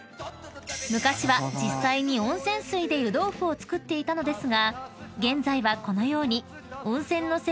［昔は実際に温泉水で湯豆腐を作っていたのですが現在はこのように］